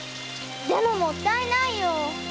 でももったいないよ！